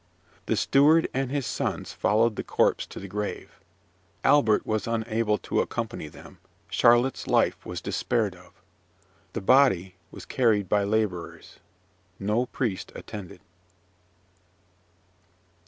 The steward and his sons followed the corpse to the grave. Albert was unable to accompany them. Charlotte's life was despaired of. The body was carried by labourers. No priest attended.